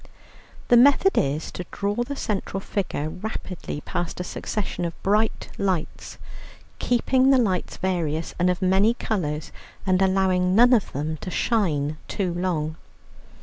The method is to draw the central figure rapidly past a succession of bright lights, keeping the lights various and of many colours and allowing none of them to shine too long.